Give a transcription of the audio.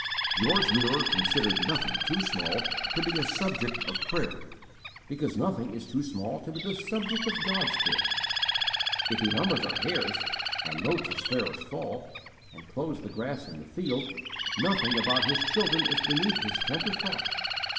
George Muller considered nothing too small to be a subject of prayer, because nothing is too small to be the subject of God's care. If He numbers our hairs, and notes a sparrow's fall, and clothes the grass in the field, nothing about His children is beneath His tender thought.